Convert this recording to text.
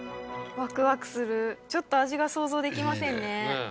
わくわくするちょっと味が想像できませんね。